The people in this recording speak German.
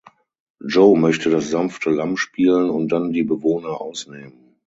Joe möchte das sanfte Lamm spielen und dann die Bewohner ausnehmen.